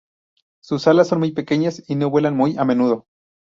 Sus alas son muy pequeñas y no vuelan muy a menudo.